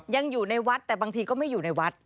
ยังอยู่ในวัดแต่บางทีก็ไม่อยู่ในวัด